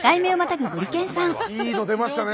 いいの出ましたね。